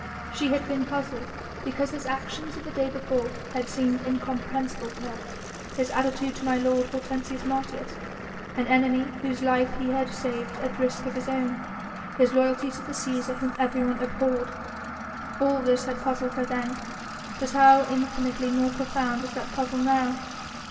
She had been puzzled because his actions of the day before had seemed incomprehensible to her: his attitude to my lord Hortensius Martius, an enemy whose life he saved at risk of his own, his loyalty to the Cæsar whom everyone abhorred! All this had puzzled her then, but how infinitely more profound was that puzzle now.